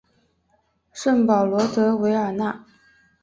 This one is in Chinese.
圣保罗德韦尔讷。